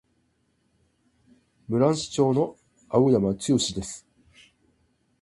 室蘭市長の青山剛です。